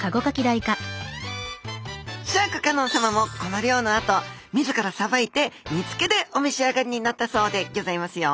シャーク香音さまもこの漁のあと自らさばいて煮付けでおめしあがりになったそうでギョざいますよ。